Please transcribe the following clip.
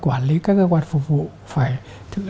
quản lý các cơ quan phục vụ phải